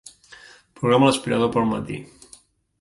Programa l'aspiradora per al matí.